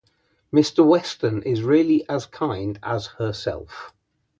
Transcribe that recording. Mr Weston is really as kind as herself.